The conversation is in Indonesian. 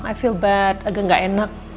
i feel bad agak gak enak